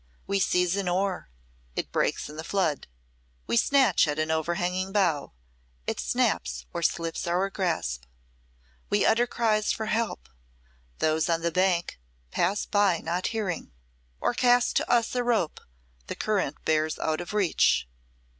We seize an oar, it breaks in the flood; we snatch at an overhanging bough, it snaps or slips our grasp; we utter cries for help, those on the bank pass by not hearing, or cast to us a rope the current bears out of reach.